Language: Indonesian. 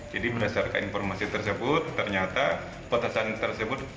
jadi berdasarkan informasi tersebut ternyata petasan tersebut